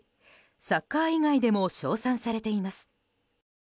サッカー以外でも称賛されています。